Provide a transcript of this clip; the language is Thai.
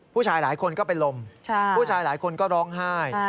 ผู้ชายหลายคนก็เป็นลมผู้ชายหลายคนก็ร้องไห้